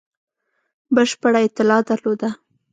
بشپړه اطلاع درلوده.